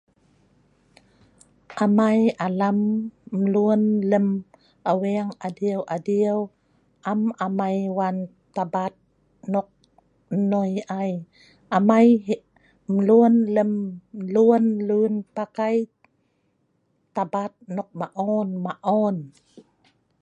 Amai alam mlun lem aweng adiu-adiu am amai wan tabat nok noi ai. Amai mlun lem lun leun pakai tabat nok maon-maon.